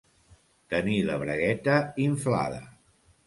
Tenir la bragueta inflada.